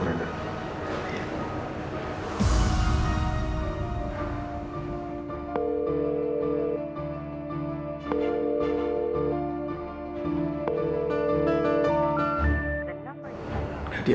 hega eng paras di sini